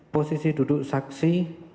posisi duduk saksi